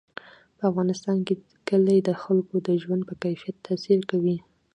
په افغانستان کې کلي د خلکو د ژوند په کیفیت تاثیر کوي.